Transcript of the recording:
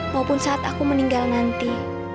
maupun saat aku meninggal nanti